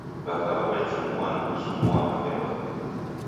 W'aka w'aw'echumua na kuzumua mapemba